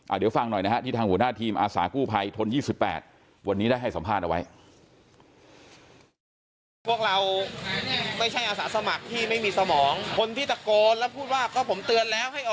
เดี๋ยวฟังหน่อยนะฮะที่ทางหัวหน้าทีมอาสากู้ภัยทน๒๘วันนี้ได้ให้สัมภาษณ์เอาไว้